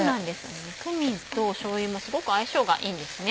クミンとしょうゆもすごく相性がいいんですね。